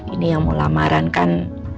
ini yang mau lamaran kan